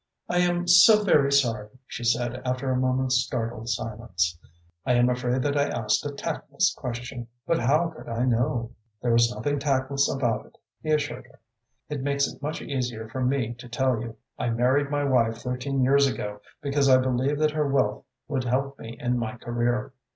"I am so very sorry," she said, after a moment's startled silence. "I am afraid that I asked a tactless question, but how could I know?" "There was nothing tactless about it," he assured her. "It makes it much easier for me to tell you. I married my wife thirteen years ago because I believed that her wealth would help me in my career.